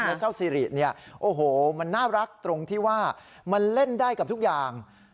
แล้วเจ้าซีริเนี่ยโอ้โหมันน่ารักตรงที่ว่ามันเล่นได้กับทุกอย่าง